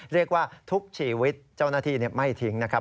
เรียกว่าทุกชีวิตเจ้าหน้าที่ไม่ทิ้งนะครับ